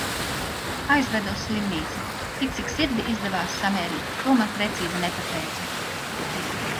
Aizveda uz slimnīcu. Tik cik sirdi izdevās samērīt, to man precīzi nepateica.